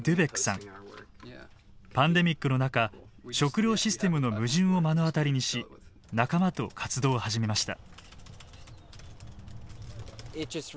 パンデミックの中食料システムの矛盾を目の当たりにし仲間と活動を始めました。